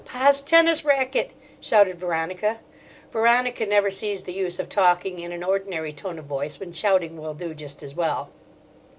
"Pa's tennis racket!" shouted Veronica—Veronica never sees the use of talking in an ordinary tone of voice when shouting will do just as well.